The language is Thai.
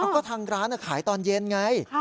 ก็ทางร้านขายตอนเย็นไง